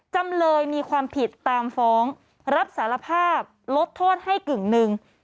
จำเลยมีความผิดตามฟ้องรับสารภาพลดโทษให้กึ่งหนึ่ง